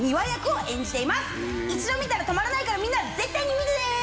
一度見たら止まらないからみんな絶対に見てね！